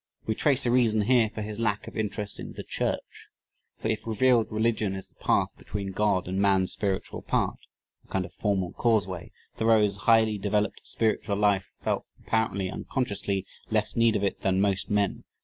We trace a reason here for his lack of interest in "the church." For if revealed religion is the path between God and man's spiritual part a kind of formal causeway Thoreau's highly developed spiritual life felt, apparently unconsciously, less need of it than most men.